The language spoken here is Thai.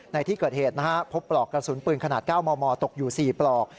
ในที่เกิดเหตุนะฮะพบปลอกกระสุนปืนขนาด๙มมตกอยู่๔ปลอก